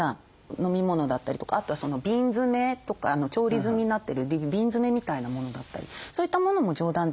飲み物だったりとかあとは瓶詰とか調理済みになってる瓶詰みたいなものだったりそういったものも上段でいいと思います。